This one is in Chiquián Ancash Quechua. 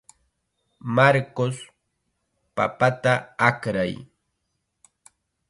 Marcos, papata akray.